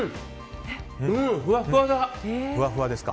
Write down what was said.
ふわふわだ！